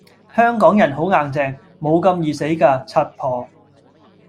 香港人好硬淨，無咁易死架，柒婆